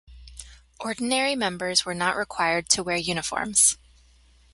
Ordinary members were not required to wear uniforms.